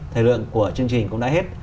thời lượng của chương trình cũng đã hết